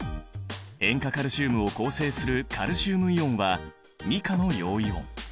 塩化カルシウムを構成するカルシウムイオンは２価の陽イオン。